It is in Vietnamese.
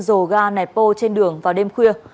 dồ ga nẹp bô trên đường vào đêm khuya